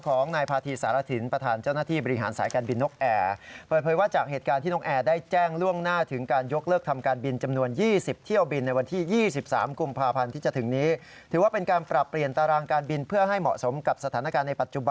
ของนายพาธีสารสินประธานเจ้าหน้าที่บริหารสายการบินนกแอร์